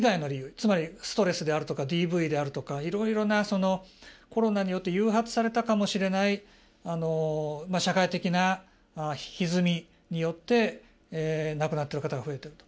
つまり、ストレスであるとかＤＶであるとかいろいろな、コロナによって誘発されたかもしれない社会的なひずみによって亡くなってる方が増えてると。